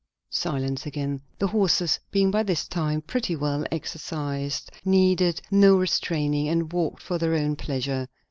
Silence again. The horses, being by this time pretty well exercised, needed no restraining, and walked for their own pleasure.